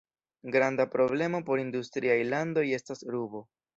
Granda problemo por industriaj landoj estas rubo.